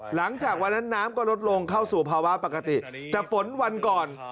หลังจากนั้นน้ำก็ลดลงเข้าสู่ภาวะปกติแต่ฝนวันก่อน